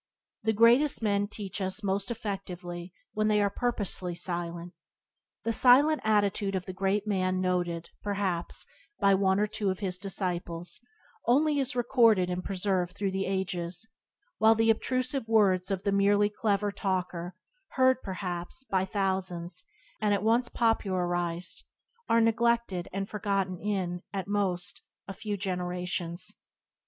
The greatest men teach us most effectively when they are purposely silent. The silent attitude of the great man noted, perhaps, by one or two of his disciples only is recorded and preserved through the ages; while the obtrusive words of the merely clever talker, heard, perhaps, by thousands, and at once popularized, are neglected and forgotten in, at most, a few generations.